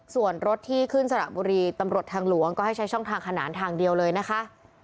ส่วนรถที่ขึ้นสระบุรีตำรวจทางหลวงก็ให้ใช้ช่องทางขนานทางเดียวเลยนะคะ